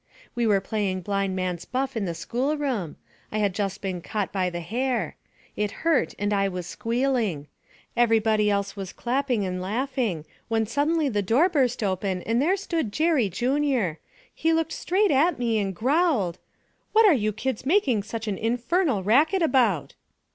'We were playing blind man's buff in the school room; I had just been caught by the hair. It hurt and I was squealing. Everybody else was clapping and laughing, when suddenly the door burst open and there stood Jerry Junior! He looked straight at me and growled '"What are you kids making such an infernal racket about?"'